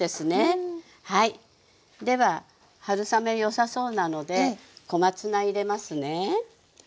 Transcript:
では春雨よさそうなので小松菜入れますね。